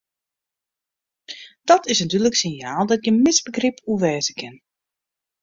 Dat is in dúdlik sinjaal dêr't gjin misbegryp oer wêze kin.